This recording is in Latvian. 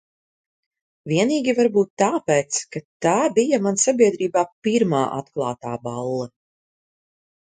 Vienīgi varbūt tāpēc, ka tā bija man sabiedrībā pirmā atklātā balle.